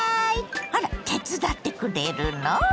あら手伝ってくれるの⁉